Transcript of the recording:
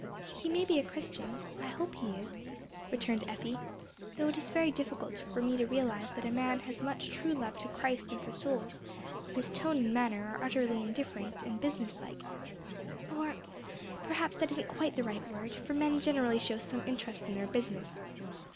"He may be a Christian; I hope he is," returned Effie, "though it is very difficult for me to realize that a man has much true love to Christ and for souls, when his tone and manner are utterly indifferent and business like (or perhaps that isn't quite the right word; for men generally show some interest in their business).